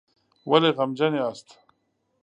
ولې غمجن یاست؟